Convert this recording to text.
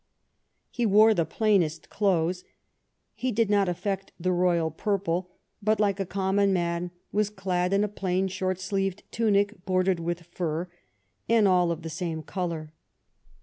He wore the plainest clothes. He did not affect the royal purple, but, like a common man, was clad in a plain short sleeved tunic bordered with fur, and all of the same colour.